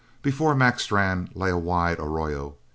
Before Mac Strann lay a wide arroyo.